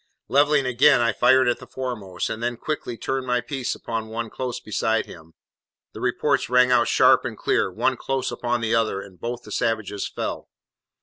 Levelling again, I fired at the foremost, and then quickly turned my piece upon one close beside him. The reports rang out sharp and clear, one close upon the other, and both the savages fell.